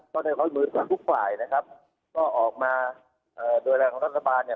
ก็ได้รับมือจากทุกฝ่ายนะครับก็ออกมาเอ่อดูแลของรัฐบาลเนี่ย